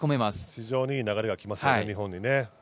非常に、いい流れが来ますよね、日本にね。